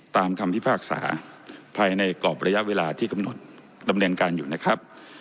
คำพิพากษาภายในกรอบระยะเวลาที่กำหนดดำเนินการอยู่นะครับ